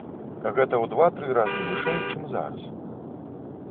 Гэта ў два-тры разы вышэй, чым зараз.